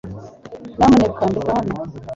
Nyamuneka ndeke hano .